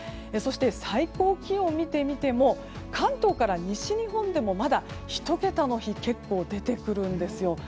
そして、最高気温を見てみても関東から西日本でもまだ１桁の日が結構出てくるんですよ。